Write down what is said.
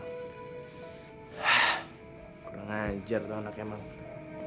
kurang ajar tuh anak emang